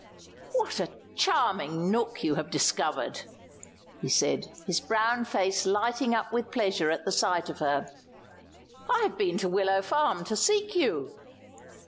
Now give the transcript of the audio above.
"What a charming nook you have discovered!" he said, his brown face lighting up with pleasure at the sight of her. "I have been to Willow Farm to seek you."